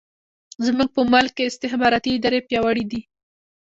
زموږ په ملک کې استخباراتي ادارې پیاوړې دي.